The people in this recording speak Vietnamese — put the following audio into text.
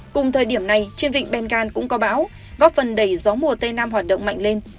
cùng thời điểm này trên vịnh bengan cũng có bão góp phần đẩy gió mùa tây nam hoạt động mạnh lên